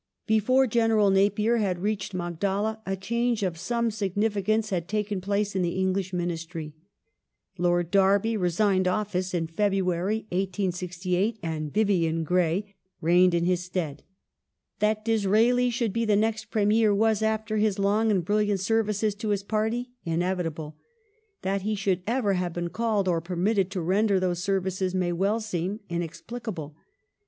Disraeli Before General Napier had reached Magdala a change of some succeeds significance had taken place in the English Ministry. Lord Derby Prime resigned office in February, 1868, and " Vivian Grey " reigned in Minister ^ns stead. That Disraeli should be the next Premier was, after his long and brilliant services to his party, inevitable ; that he should ever have been called or permitted to render those services may well seem inexplicable.